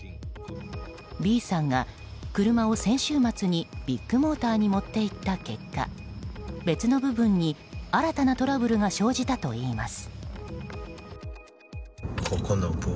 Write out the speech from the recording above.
Ｂさんが車を先週末にビッグモーターに持っていった結果別の部分に新たなトラブルが生じたといいます。